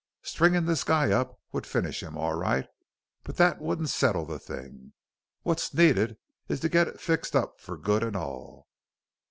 "Stringin' this guy up would finish him all right. But that wouldn't settle the thing. What's needed is to get it fixed up for good an' all."